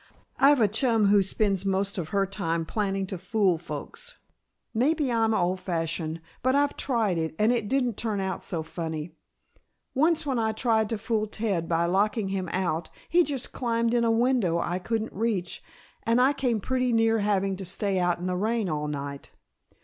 I've a chum who spends most of her time planning to fool folks. Maybe I'm old fashioned, but I've tried it and it didn't turn out so funny. Once when I tried to fool Ted by locking him out, he just climbed in a window I couldn't reach, and I came pretty near having to stay out in the rain all night.